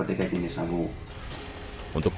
untuk pengembangan narkoba jenis sabu